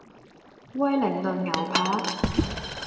威靈頓牛扒